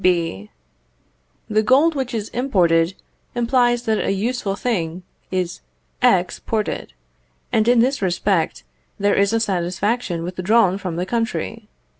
B. The gold which is imported implies that a useful thing is _ex_ported, and in this respect there is a satisfaction withdrawn from the country.